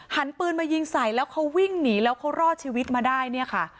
หันปืนมายิงใส่แล้วเขาวิ่งหนีแล้วเขารอดชีวิตมาได้เนี่ยค่ะ